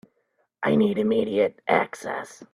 I needed immediate access.